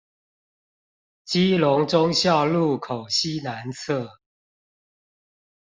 基隆忠孝路口西南側